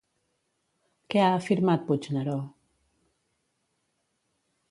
Què ha afirmat, Puigneró?